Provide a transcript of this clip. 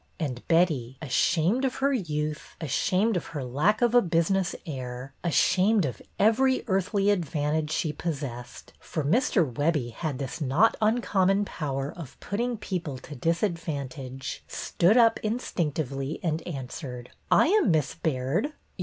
And Betty, ashamed of her youth, ashamed of her lack of a business air, ashamed of every earthly advantage she possessed, — for Mr. Webbie had this not uncommon power of put ting people to disadvantage, — stood up instinc tively and answered: '' I am Miss Baird.